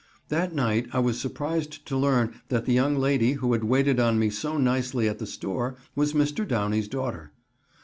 That night I was surprised to learn that the young lady, who had waited on me so nicely at the store, was Mr. Downey's daughter.